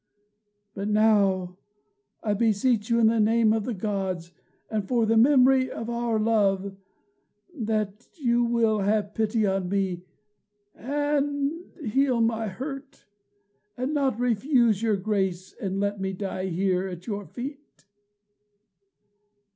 But now I beseech you in the name of the Gods, and for the memory of our love, that you will have pity on me and heal my hurt, and not refuse your grace and let me die here at your feet."